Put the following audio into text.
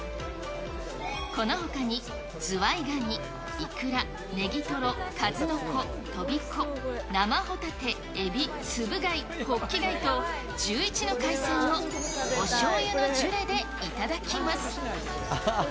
このほかにズワイガニ、イクラ、ネギトロ、カズノコ、トビコ、生ホタテ、エビ、ツブ貝、ホッキ貝と、１１の海鮮をおしょうゆのジュレで頂きます。